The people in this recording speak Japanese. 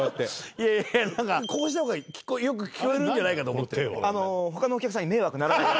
いやいやなんかこうした方がよく聞こえるんじゃないかと思ってる？